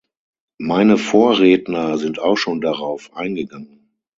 Meine Vorredner sind auch schon darauf eingegangen.